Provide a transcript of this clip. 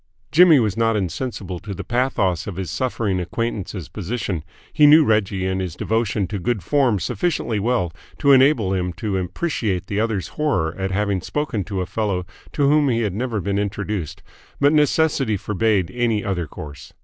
Jimmy was not insensible to the pathos of his suffering acquaintance's position; he knew Reggie and his devotion to good form sufficiently well to enable him to appreciate the other's horror at having spoken to a fellow to whom he had never been introduced; but necessity forbade any other course.